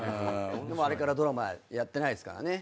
でもあれからドラマやってないっすからね。